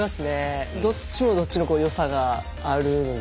どっちもどっちの良さがあるので。